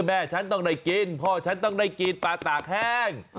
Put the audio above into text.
แม่ฉันต้องได้กินพ่อฉันต้องได้กินปลาตากแห้ง